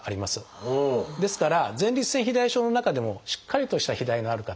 ですから前立腺肥大症の中でもしっかりとした肥大がある方